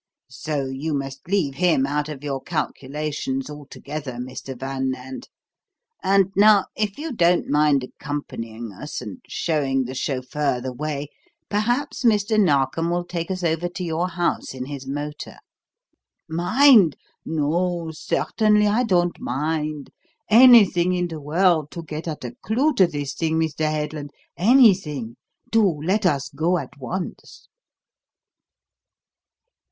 "So you must leave him out of your calculations altogether, Mr. Van Nant. And now, if you don't mind accompanying us and showing the chauffeur the way, perhaps Mr. Narkom will take us over to your house in his motor." "Mind? No, certainly I don't mind. Anything in the world to get at a clue to this thing, Mr. Headland, anything. Do let us go at once."